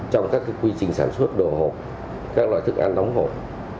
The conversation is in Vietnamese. trong các quy trình sản xuất đồ hộp các loại thức ăn đóng hộp